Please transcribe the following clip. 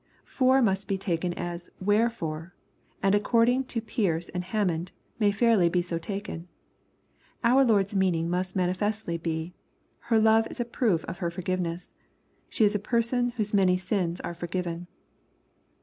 "For" must be taken as "wherefore," and, according to Pearce and Hammond, may fairly be so taken. Our Lord's meaning must manifestly be :" Her love is a proof of her forgiveness. She is a person whose many sins are forgiven.